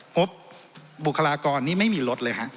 งบบุคลากรนี้ไม่มีลดเลยฮะ